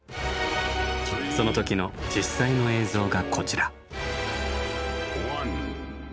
その時の実際の映像がこちら。